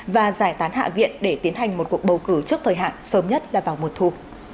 và giải tán hạ viện để tiến hành một cuộc bầu cử trước thời hạn sớm nhất là vào mùa thu